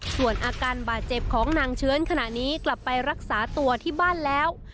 ส่วนอาการบาดเจ็บของนางเชื้อนขณะนี้กลับไปรักษาตัวที่บ้านแล้ว